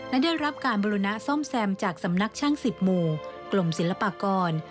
และได้รับการบูรณะซ่อมแซมจากสำนักช่าง๑๐หมู่กรมศิลปากร